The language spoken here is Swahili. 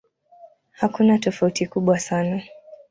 Hakuna tofauti kubwa sana.